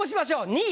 ２位。